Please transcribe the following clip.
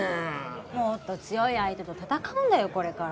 もっと強い相手と戦うんだよこれから。